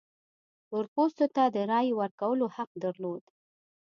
تور پوستو ته د رایې ورکولو حق درلود.